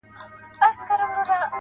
کنې دوى دواړي ويدېږي ورځ تېرېږي.